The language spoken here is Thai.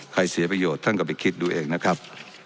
เสียประโยชน์ท่านก็ไปคิดดูเองนะครับ